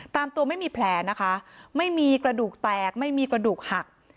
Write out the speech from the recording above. ตามตัวไม่มีแผลนะคะไม่มีกระดูกแตกไม่มีกระดูกหัก